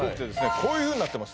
こういうふうになってます